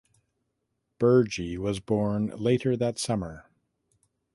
Burgi was born later that summer.